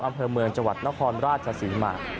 อำเภอเมืองจังหวัดนครราชศรีมา